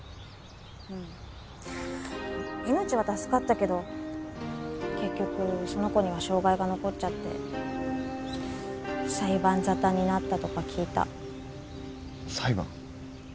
うん命は助かったけど結局その子には障害が残っちゃって裁判ざたになったとか聞いた裁判？